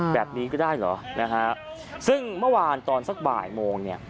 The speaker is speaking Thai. แบบนี้ก็ได้เหรอนะฮะซึ่งเมื่อวานตอนสักบ่ายโมงเนี่ย